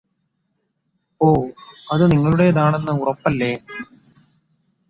ഓ അത് നിങ്ങളുടെതാണെന്ന് ഉറപ്പല്ലേ